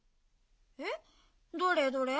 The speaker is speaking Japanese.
えっどれどれ？